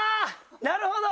なるほど！